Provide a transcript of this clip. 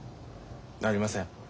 なりません。